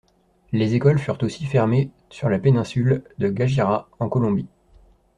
Les écoles furent aussi fermées sur la péninsule de Guajira en Colombie.